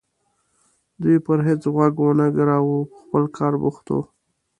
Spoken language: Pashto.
دوی پرې هېڅ غوږ ونه ګراوه په خپل کار بوخت وو.